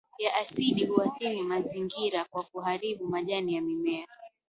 ya asidi huathiri mazingira kwa kuharibu majani ya mimea